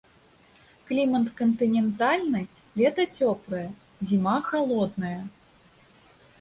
Клімат кантынентальны, лета цёплае, зіма халодная.